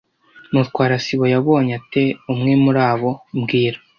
Mutwara sibo yabonye ate umwe muri abo mbwira